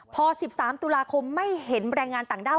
พอ๑๓ตุลาคมไม่เห็นแรงงานต่างด้าว